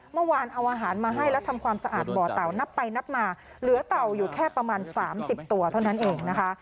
เมื่อวานเอาอาหารมาให้แล้วทำความสะอาดบ่อเตานับไปนับมาเหลือเต่าอยู่แค่ประมาณ๓๐ตัวเท่านั้นเองนะคะ